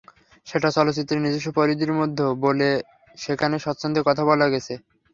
সেটা চলচ্চিত্রের নিজস্ব পরিধির মধ্যে বলে সেখানে স্বচ্ছন্দে কথা বলা গেছে।